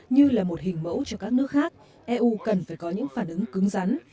như là một hình mẫu cho các nước khác eu cần phải có những phản ứng cứng rắn